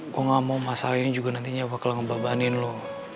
gue gak mau masalah ini juga nantinya bakal ngebabanin lo